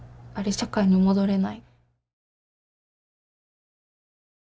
社会に戻れない」。